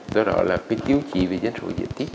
do đó là cái tiêu chí về dân số diện tích